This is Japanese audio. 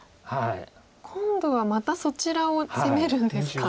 今度はまたそちらを攻めるんですか。